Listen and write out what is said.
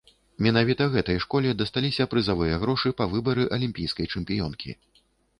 Менавіта гэтай школе дасталіся прызавыя грошы па выбары алімпійскай чэмпіёнкі.